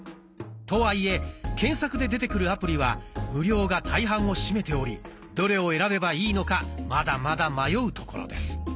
とはいえ検索で出てくるアプリは無料が大半を占めておりどれを選べばいいのかまだまだ迷うところです。